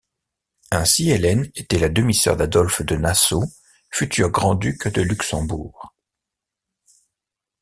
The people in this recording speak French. Ainsi, Hélène était la demi-sœur d'Adolphe de Nassau, futur grand-duc de Luxembourg.